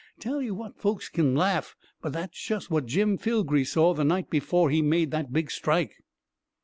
Tell 'e what folks ken laugh but that's just what Jim Filgee saw the night before he made the big strike!"